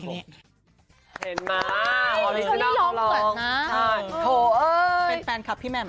เห็นมาโอลิเวรี่ลองก่อนนะ